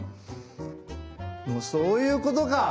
もうそういうことか！